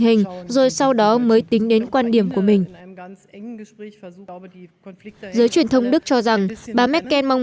hình rồi sau đó mới tính đến quan điểm của mình giới truyền thông đức cho rằng bà merkel mong